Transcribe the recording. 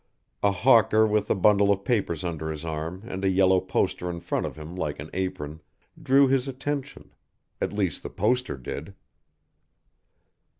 A hawker with a bundle of papers under his arm and a yellow poster in front of him like an apron, drew his attention; at least the poster did.